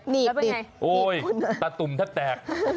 ดีบตะตุ่มจะแตก